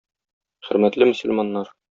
Хөрмәтле мөселманнар!